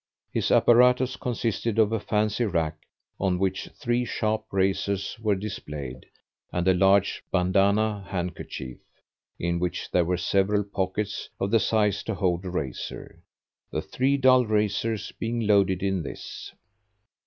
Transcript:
His apparatus consisted of a fancy rack on which three sharp razors were displayed, and a large bandanna handkerchief, in which there were several pockets of the size to hold a razor, the three dull razors being loaded in this.